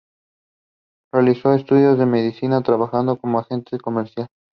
Realizó estudios de medicina, trabajando como agente comercial.